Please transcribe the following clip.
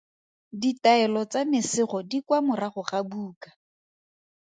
Ditaelo tsa mesego di kwa morago ga buka.